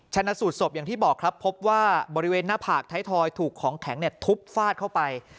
ชนะสูตรศพอย่างที่บอกครับพบว่าบริเวณหน้าผากท้ายทอยถูกของแข็งทุบฟาดเข้าไป